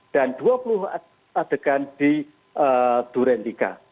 dan dua puluh adegan di durendika